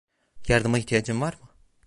Yardıma ihtiyacın var mı?